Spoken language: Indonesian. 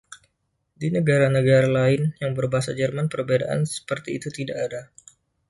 Di negara-negara lain yang berbahasa Jerman perbedaan seperti itu tidak ada.